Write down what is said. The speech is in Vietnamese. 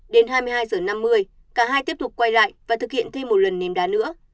đến hai mươi hai h năm mươi cả hai tiếp tục quay lại và thực hiện thêm một lần ném đá nữa